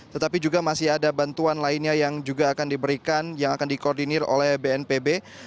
tetapi juga masih ada bantuan lainnya yang juga akan diberikan yang akan dikoordinir oleh bnpb